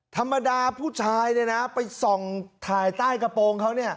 ธรรมดาผู้ชายเลยน่ะไปส่องทายใต้กระโปรงเค้าเนี้ย